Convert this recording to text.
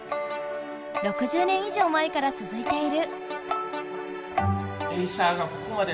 ６０年以上前からつづいている。